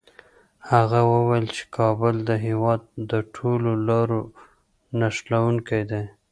هغه وویل چي کابل د هېواد د ټولو لارو نښلوونکی دی.